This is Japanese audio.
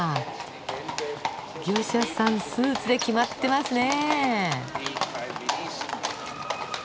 御者さんスーツで決まってますね。